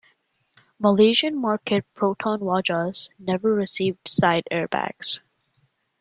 Malaysian market Proton Wajas never received side airbags.